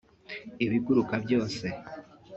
ibiguruka byose